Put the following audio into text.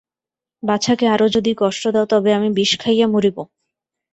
বাছাকে আরো যদি কষ্ট দাও তবে আমি বিষ খাইয়া মরিব!